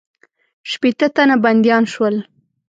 شپېته تنه بندیان شول.